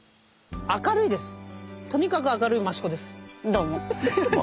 どうも。